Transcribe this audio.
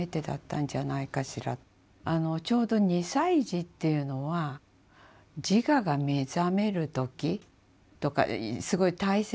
あのちょうど２歳児っていうのは自我が目覚める時とかすごい大切な時期なんですね。